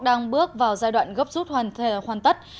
đang bước vào giai đoạn gấp rút hoàn tất